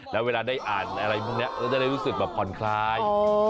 แล้วเวลาได้อ่านอะไรพวกนี้เราจะได้รู้สึกแบบผ่อนคลาย